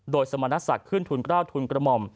โดยสมรสักขึ้นทุนเกล้าทุนกระหม่อม